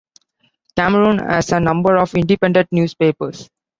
Cameroon has a number of independent newspapers.